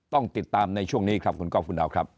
ต้องติดตามในช่วงนี้ครับขอบคุณครับ